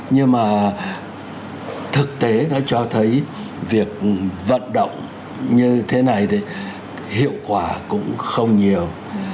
nhưng mà thực tế nó cho thấy việc vận động như thế này thì hiệu quả cũng không nhiều